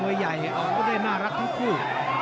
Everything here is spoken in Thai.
มือใหญ่ก็ได้น่ารักทั้งคู่